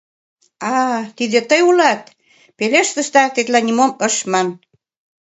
— А, тиде тый улат… — пелештыш да тетла нимом ыш ман.